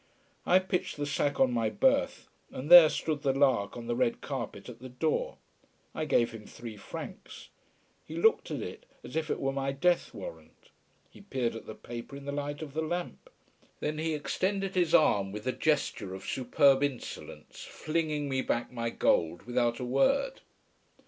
I pitched the sack on my berth, and there stood the lark on the red carpet at the door. I gave him three francs. He looked at it as if it were my death warrant. He peered at the paper in the light of the lamp. Then he extended his arm with a gesture of superb insolence, flinging me back my gold without a word.